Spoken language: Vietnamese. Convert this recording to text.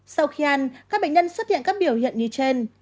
sau khi ăn các bệnh nhân xuất hiện các biểu hiện như trên